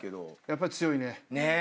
やっぱり強いね。